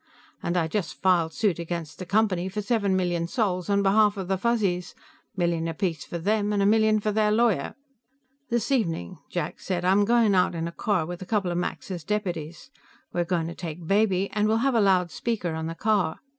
And I just filed suit against the Company for seven million sols on behalf of the Fuzzies million apiece for them and a million for their lawyer." "This evening," Jack said, "I'm going out in a car with a couple of Max's deputies. We're going to take Baby, and we'll have a loud speaker on the car."